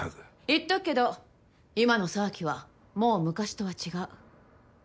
言っとくけど今の沢木はもう昔とは違う。